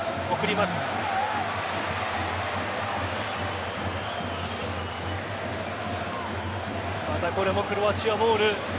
またこれもクロアチアボール。